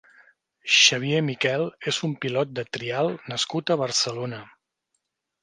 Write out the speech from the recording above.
Xavier Miquel és un pilot de trial nascut a Barcelona.